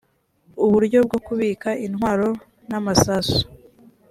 uburyo bwo kubika intwaro n’ amasasu